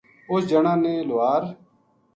اُس جنا نے لوہار